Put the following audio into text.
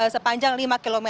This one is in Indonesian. sepanjang lima km